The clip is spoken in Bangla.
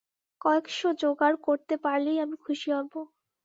কয়েক-শো যোগাড় করতে পারলেই আমি খুশী হব।